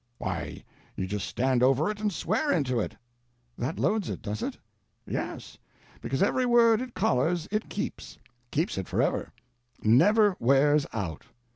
"Why you just stand over it and swear into it." "That loads it, does it?" "Yes—because every word it collars, it keeps—keeps it forever. Never wears out.